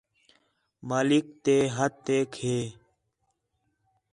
مالک تے ہتھیک ہے